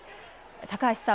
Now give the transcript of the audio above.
高橋さん